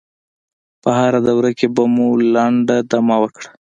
په هره دوره کې به مو لنډه دمه وکړه.